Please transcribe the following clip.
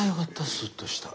スっとした。